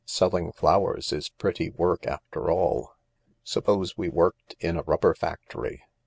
Selling flowers is pretty work, after all. Suppose we worked in a rubber factory. Mr.